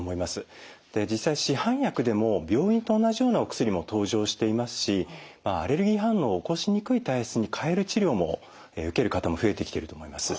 実際市販薬でも病院と同じようなお薬も登場していますしアレルギー反応を起こしにくい体質に変える治療も受ける方も増えてきていると思います。